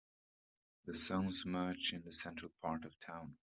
The zones merge in the central part of town.